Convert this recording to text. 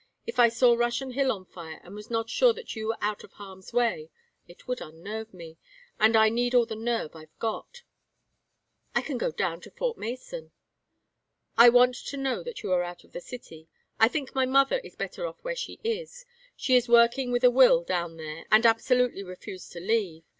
If I saw Russian Hill on fire and was not sure that you were out of harm's way, it would unnerve me, and I need all the nerve I've got." "I can go down to Fort Mason." "I want to know that you are out of the city. I think my mother is better off where she is. She is working with a will down there and absolutely refused to leave.